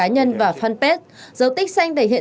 với thủ đoạn xin dấu tích xanh này